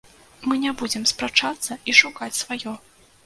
Мы не будзем спрачацца і шукаць сваё.